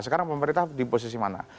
sekarang pemerintah di posisi mana